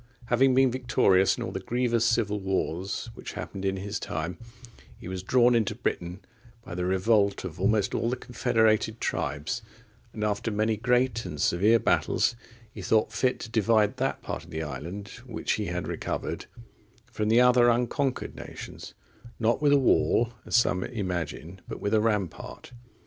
Having been victorious in all the grievous civil wars which happened in his time, he was drawn into Britain by the revolt of almost all the confederated tribes; and, after many great and severe battles, he thought fit to divide that part of the island, which he had recovered, from the other unconquered nations, not with a wall, as some imagine, but with a rampart.